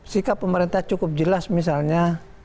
sikap pemerintah cukup jelas misalnya